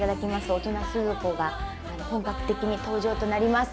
大人鈴子が本格的に登場となります。